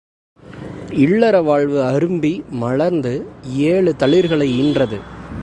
இல்லற வாழ்வு அரும்பி மலர்ந்து ஏழு தளிர்களை ஈன்றது.